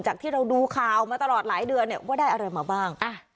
จากที่เราดูข่าวมาตลอดหลายเดือนว่าได้อะไรมาบ้าง